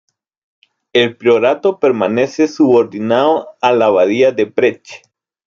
El priorato permanece subordinado a la abadía de Brecht.